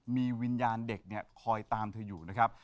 มีวิญญาณเด็กเนี่ยคอยตามเธออยู่นะครับ